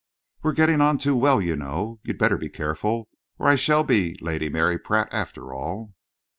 "We're getting on too well, you know. You'd better be careful, or I shall be Lady Mary Pratt, after all!"